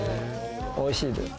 おいしいです！